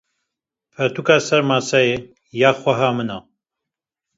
Pirtûka li ser maseyê ya xweha min e.